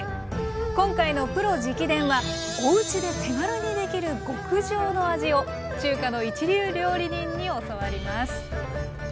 今回の「プロ直伝！」はおうちで手軽にできる極上の味を中華の一流料理人に教わります。